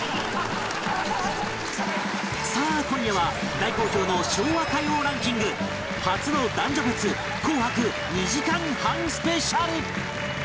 さあ今夜は大好評の昭和歌謡ランキング初の男女別紅白２時間半スペシャル